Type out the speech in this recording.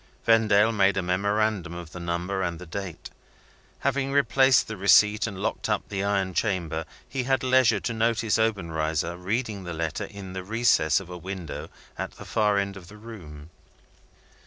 Vendale made a memorandum of the number and the date. Having replaced the receipt and locked up the iron chamber, he had leisure to notice Obenreizer, reading the letter in the recess of a window at the far end of the room.